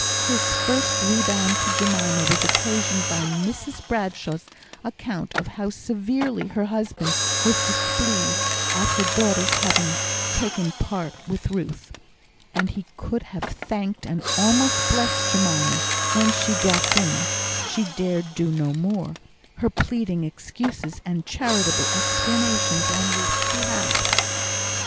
His first rebound to Jemima was occasioned by Mrs Bradshaw's account of how severely her husband was displeased at her daughter's having taken part with Ruth; and he could have thanked and almost blessed Jemima when she dropped in (she dared do no more) her pleading excuses and charitable explanations on Ruth's behalf.